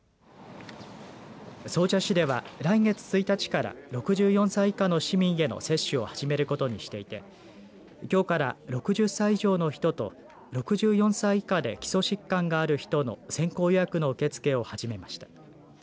総社市では来月１日から６４歳以下の市民への接種を始めることにしていてきょうから６０歳以上の人と６４歳以下で基礎疾患がある人の先行予約の受け付けを始めました。